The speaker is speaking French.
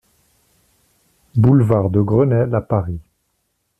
Boulevard de Grenelle à Paris